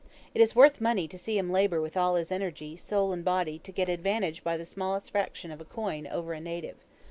It is worth money to see him labor with all his energy, soul and body, to get advantage by the smallest fraction of a coin over a native.